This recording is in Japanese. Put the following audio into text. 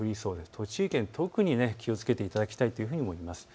栃木県、特に気をつけていただきたいと思います。